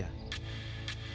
dan bagaimana dengan peraja